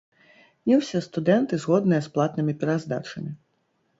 Не ўсе студэнты згодныя з платнымі пераздачамі.